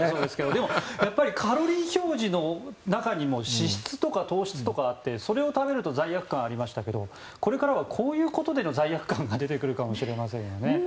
でも、カロリー表示の中にも脂質とか糖質があってそれを食べると罪悪感がありますがこれからはこういうことでの罪悪感が出てくるかもしれませんよね。